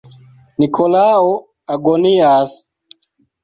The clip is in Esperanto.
Nikolao agonias.